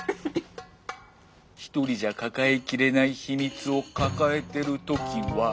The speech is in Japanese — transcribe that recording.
１人じゃ抱えきれない秘密を抱えてる時は。